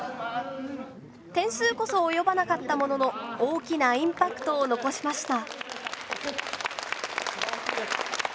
点数こそ及ばなかったものの大きなインパクトを残しました。